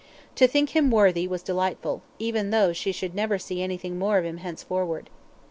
To think him worthy was delightful, even though she should never see anything more of him henceforward.